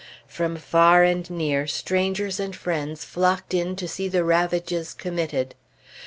From far and near, strangers and friends flocked in to see the ravages committed.